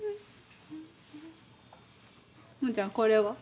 ももちゃんこれは？